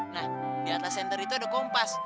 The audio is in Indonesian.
nah di atas center itu ada kompas